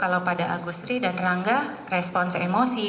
kalau pada agustri dan rangga respons emosi